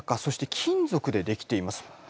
そして金属で出来ています。